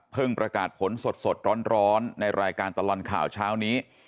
เพิ่งประกาศผลสดสดร้อนร้อนในรายการตะลอนข่าวเช้านี้